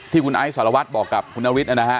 ที่คุณไอซ์สารวัสบอกกับคุณนาวิทย์